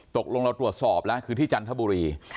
ตกลงแล้วตรวจสอบคือที่จันทบุรี